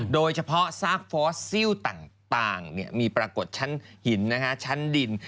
ซากฟอสซิลต่างมีปรากฏชั้นหินชั้นดิน